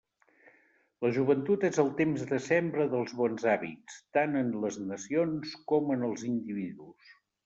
La joventut és el temps de sembra dels bons hàbits, tant en les nacions com en els individus.